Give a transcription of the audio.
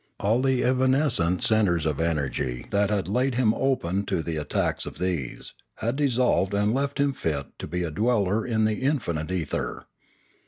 All the evanescent centres of energy that had laid him open to the attacks of these, had dissolved and left him fit to be a dweller in the infinite ether.